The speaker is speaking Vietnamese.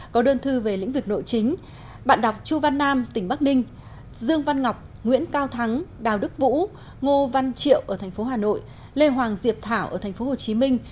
có đơn thư về lĩnh vực nội chính bạn đọc chu văn nam tỉnh bắc ninh dương văn ngọc nguyễn cao thắng đào đức vũ ngô văn triệu ở thành phố hà nội lê hoàng diệp thảo ở thành phố hồ chí minh